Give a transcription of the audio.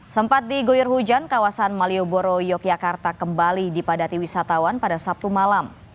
sempat digoyor hujan kawasan malioboro yogyakarta kembali dipadati wisatawan pada sabtu malam